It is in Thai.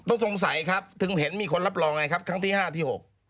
สงสัยครับถึงเห็นมีคนรับรองไงครับครั้งที่ห้าที่หก